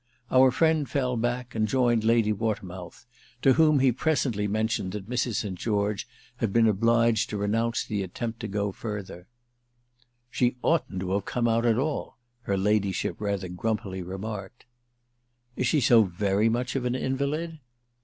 Our friend fell back and joined Lady Watermouth, to whom he presently mentioned that Mrs. St. George had been obliged to renounce the attempt to go further. "She oughtn't to have come out at all," her ladyship rather grumpily remarked. "Is she so very much of an invalid?"